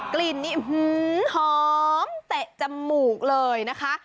กลิ่นนี้หอมเตะจมูกเลยนะคะ